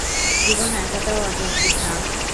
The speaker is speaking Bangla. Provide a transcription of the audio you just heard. জীবন এতটাও অযৌক্তিক না!